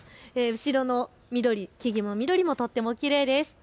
後ろの緑、木々もとってもきれいです。